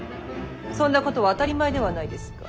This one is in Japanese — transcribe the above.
そんなことは当たり前ではないですか。